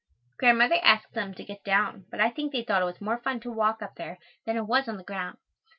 Grandmother asked them to get down, but I think they thought it was more fun to walk up there than it was on the ground.